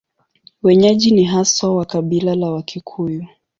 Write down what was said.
Wenyeji ni haswa wa kabila la Wakikuyu.